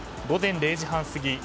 午前０時半過ぎ